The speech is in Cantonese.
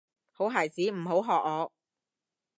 好孩子唔好學我